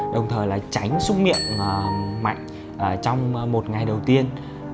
đồng thời là tránh xúc miệng mạnh trong một ngày đầu tiên